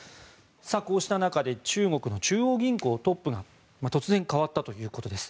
こうした中で中国の中央銀行トップが突然代わったということです。